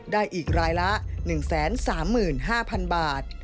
ได้อีกรายละ๑๓๕๐๐๐บาท